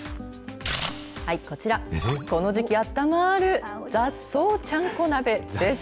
こちら、この時期あったまーる雑草ちゃんこ鍋です。